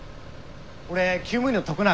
俺厩務員の徳永。